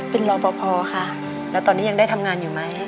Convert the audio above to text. เป็นรอปภค่ะแล้วตอนนี้ยังได้ทำงานอยู่ไหม